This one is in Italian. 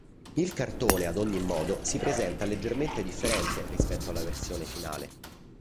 Il cartone ad ogni modo si presenta leggermente differente rispetto alla versione finale.